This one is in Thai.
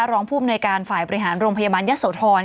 ร้องภูมิในการฝ่ายประหารโรงพยาบาลเยสโถร